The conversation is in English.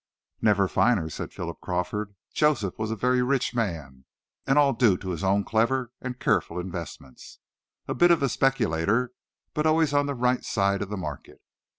"Never finer," said Philip Crawford. "Joseph was a very rich man, and all due to his own clever and careful investments. A bit of a speculator, but always on the right side of the market.